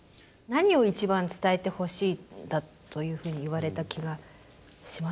何を一番伝えてほしいんだというふうに言われた気がしますか？